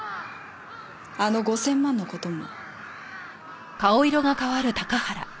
あの５０００万の事も。